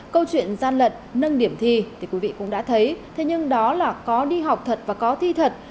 câu chuyện gian lận nâng điểm thi thì quý vị cũng đã thấy thế nhưng đó là có đi học thật và có thi thật